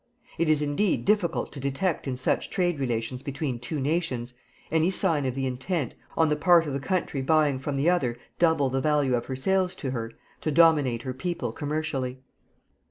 It is indeed difficult to detect in such trade relations between two nations any sign of the intent, on the part of the country buying from the other double the value of her sales to her, to dominate her people commercially.